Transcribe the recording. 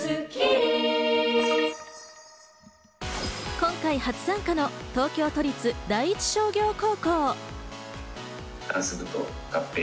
今回初参加の東京都立第一商業高校。